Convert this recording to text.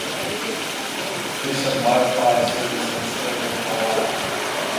Fish and Wildlife Service and the State of Hawaii.